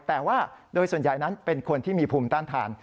แต่ว่าโดยส่วนใหญ่นั้นเป็นคนที่มีภูมิต้านทาน